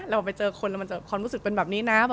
เราไปเจอคนแล้วมันจะความรู้สึกเป็นแบบนี้นะ